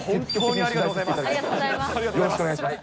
ありがとうございます。